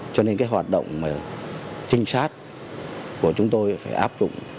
cho nên cái hoạt động trinh sát của chúng tôi phải áp dụng